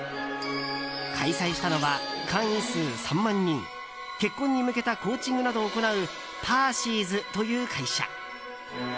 開催したのは、会員数３万人結婚に向けたコーチングなどを行うｐａｒｃｙ’ｓという会社。